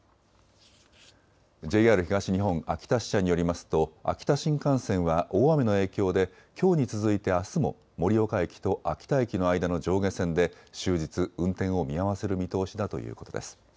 ＪＲ東日本秋田支社によりますと秋田新幹線は大雨の影響できょうに続いてあすも盛岡駅と秋田駅の間の上下線で終日、運転を見合わせる見通しだということです。